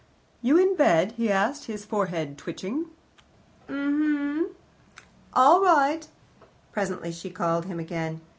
"You in bed?" he asked, his forehead twitching. "M'm." "All right." Presently she called him again.